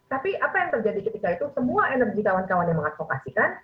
tapi apa yang terjadi ketika itu semua energi kawan kawan yang mengadvokasikan